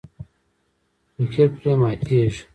فقیر پرې ماتیږي.